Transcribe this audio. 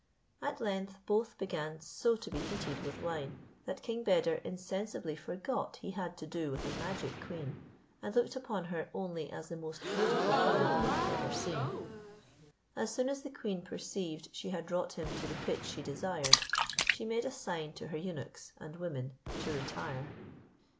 At length both began so to be heated with wine; that King Beder insensibly forgot he had to do with a magic queen, and looked upon her only as the most beautiful woman he had ever seen. As soon as the queen perceived she had wrought him to the pitch she desired, she made a sign to her eunuchs and women to retire.